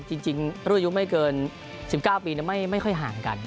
จริงรุ่นอายุไม่เกิน๑๙ปีไม่ค่อยห่างกัน